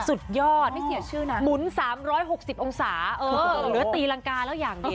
สุดยอดหมุน๓๖๐องศาเหลือตีรังกาแล้วอย่างเดียว